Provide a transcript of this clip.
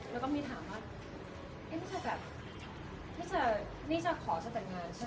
แล้วก็มีถามว่านี่ชาขอจะแต่งงานใช่ป่ะเท่านี้